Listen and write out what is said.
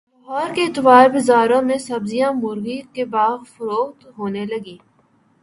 لاہور کے اتوار بازاروں میں سبزیاں مرغی کے بھاو فروخت ہونے لگیں